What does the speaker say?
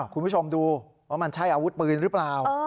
คุณผู้ชมดูว่ามันใช่อาวุธปืนหรือเปล่า